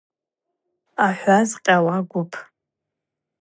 Ахӏва зкъьауа гвыпӏ.